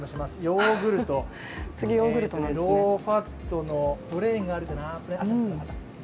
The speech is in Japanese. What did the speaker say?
ヨーグルト、ローファットのプレーンがあるかな。